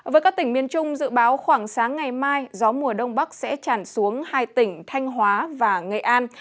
với các tỉnh miền trung dự báo khoảng sáng ngày mai gió mùa đông bắc sẽ tràn xuống hai tỉnh thanh hóa và nghệ an